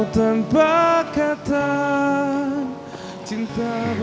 tanpa kata cinta